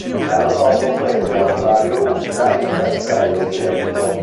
L'anno dopo prese a Lotario Rusca il castello di Lecco.